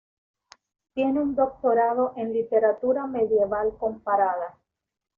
Tiene un doctorado en literatura medieval comparada.